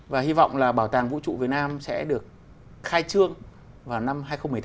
và hy vọng là bảo tàng vũ trụ việt nam sẽ được khai trương vào năm hai nghìn một mươi tám